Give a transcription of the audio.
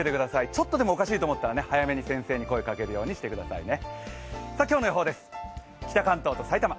ちょっとでもおかしいと思ったら、早めに先生に声をかけるようにしてくださいね